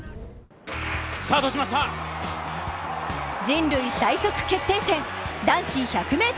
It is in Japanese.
人類最速決定戦、男子１００ｍ。